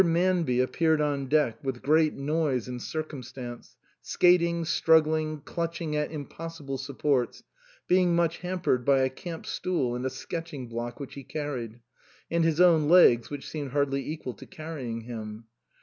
Manby appeared on deck with great noise and circum stance, skating, struggling, clutching at impos sible supports, being much hampered by a camp stool and a sketching block which he carried, and his own legs, which seemed hardly equal to carrying him.